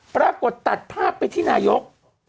ปรากฏตัดภาพไปที่นายก